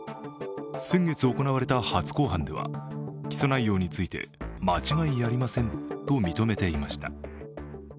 先月行われた初公判には起訴内容について間違いありませんと認めていました。